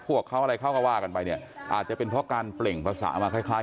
พวกเขาอะไรเขาก็ว่ากันไปเนี่ยอาจจะเป็นเพราะการเปล่งภาษามาคล้ายคล้าย